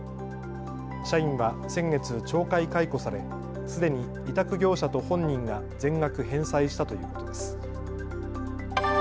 社員は先月、懲戒解雇されすでに委託業者と本人が全額返済したということです。